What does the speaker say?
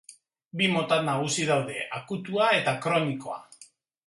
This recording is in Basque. Bi mota nagusi daude: akutua eta kronikoa.